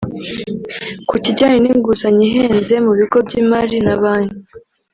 Ku kijyanye n’inguzanyo ihenze mu bigo by’imari na banki